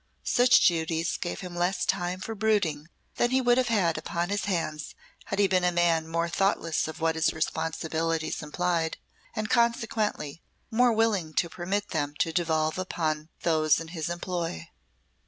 Such duties gave him less time for brooding than he would have had upon his hands had he been a man more thoughtless of what his responsibilities implied, and, consequently, more willing to permit them to devolve upon those in his employ.